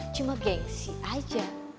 cuma gengsi aja